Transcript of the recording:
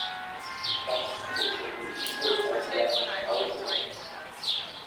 Il participe au premier Midem Asia à Hong Kong.